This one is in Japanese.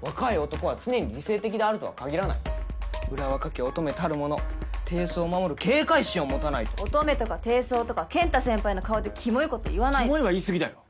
若い男は常に理性的であるとは限らないうら若き乙女たるもの貞操を守る警戒心を持たないと乙女とか貞操とか健太先輩の顔でキモいこと言わないでキモいは言いすぎだよ